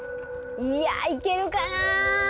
いやいけるかな。